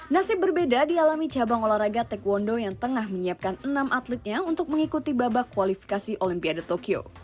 nasib berbeda dialami cabang olahraga taekwondo yang tengah menyiapkan enam atletnya untuk mengikuti babak kualifikasi olimpiade tokyo